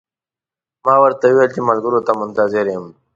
ما ورته وویل چې ملګرو ته منتظر یم.